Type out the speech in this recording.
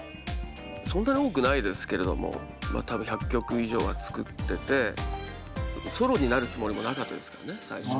そんなに多くないですけれども多分１００曲以上は作っててソロになるつもりもなかったですからね最初。